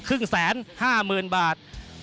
ครึ่งแสน๕๐๐๐๐บาท